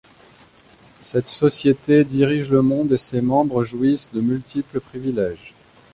Cette société dirige le monde et ses membres jouissent de multiples privilèges.